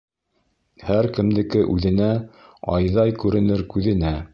Һәр кемдеке үҙенә, айҙай күренер күҙенә.